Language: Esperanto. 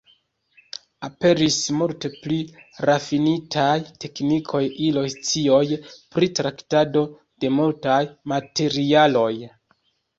Aperis multe pli rafinitaj teknikoj, iloj, scioj pri traktado de multaj materialoj.